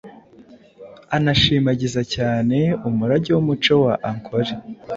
anashimagiza cyane umurage w’umuco wa Ankole